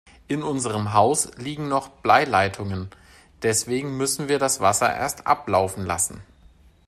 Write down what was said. In unserem Haus liegen noch Bleileitungen, deswegen müssen wir das Wasser erst ablaufen lassen.